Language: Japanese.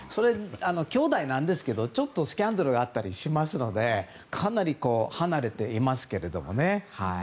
きょうだいなんですがちょっとスキャンダルがあったりしますのでかなり離れていますけれどもね。